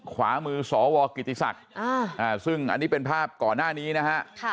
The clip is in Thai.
ขวามือสวกิติศักดิ์ซึ่งอันนี้เป็นภาพก่อนหน้านี้นะฮะ